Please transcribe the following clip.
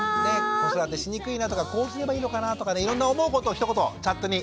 子育てしにくいなとかこうすればいいのかなとかいろんな思うことをひと言チャットに書き込んで下さい。